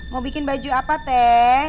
mau bikin baju apa teh